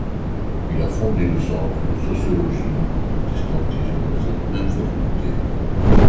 Il a fondé le Centre de sociologie du protestantisme dans cette même faculté.